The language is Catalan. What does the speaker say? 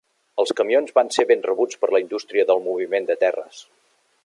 Els camions van ser ben rebuts per la indústria del moviment de terres.